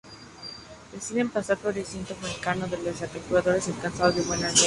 Deciden pasar al floreciente mercado de las calculadoras, alcanzando buenas ventas.